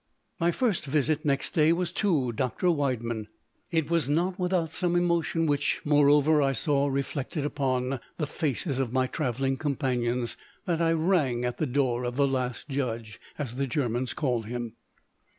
My first visit next day was to Dr. Widernann. It was not without some emotion, which, moreover, I saw reflected upon, the faces of my travelling companions, that I rang at the door of the last judge, as the Germans call him.